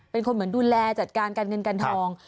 เป็นคนเหมือนดูแลจัดการการเงินการทอง